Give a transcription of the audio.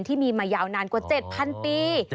ที่มีมายาวนานกว่า๗๐๐ปี